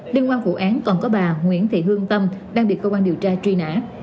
điên quan vụ án còn có bà nguyễn thị hương tâm đăng biệt cơ quan điều tra truy nã